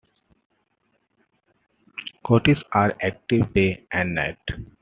Coatis are active day and night.